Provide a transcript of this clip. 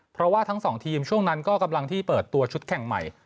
เพราะว่าทั้งสองทีมช่วงนั้นก็กำลังที่เปิดตัวชุดแข่งใหม่